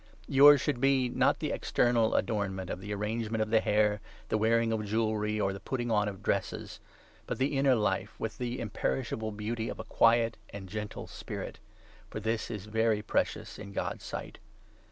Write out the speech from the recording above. Yours 3 should be, not the external adornment of the arrange ment of the hair, the wearing of jewelry, or the put ting on of dresses, but the inner life with the imperishable 4 beauty of a quiet and gentle spirit ; for this is very precious in God's sight.